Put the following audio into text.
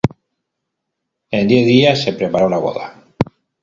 En diez días se preparó la boda.